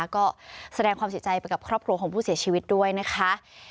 ก็แสดงความเสียใจไปกับครอบครัวของผู้เสียชีวิตด้วยนะคะ